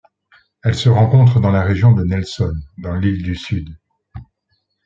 Elle se rencontre dans la région de Nelson dans l'île du Sud.